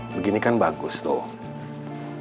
begini kan bagus tuh